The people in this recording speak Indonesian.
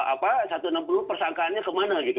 apa satu ratus enam puluh persangkaannya kemana gitu